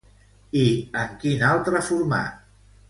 I en quin altre format?